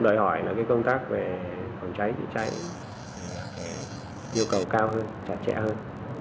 đòi hỏi là cái công tác về phòng cháy thì cháy thì là cái nhu cầu cao hơn chả chẽ hơn